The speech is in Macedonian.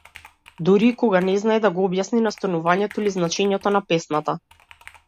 Дури и кога не знае да го објасни настанувањето или значењето на песната.